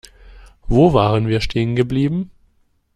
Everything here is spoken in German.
Wo waren wir stehen geblieben?